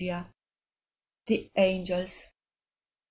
22$ THE ANGELS.